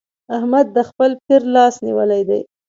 احمد د خپل پير لاس نيولی دی.